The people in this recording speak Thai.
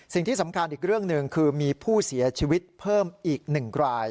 สิ่งที่สำคัญอีกเรื่องหนึ่งคือมีผู้เสียชีวิตเพิ่มอีก๑ราย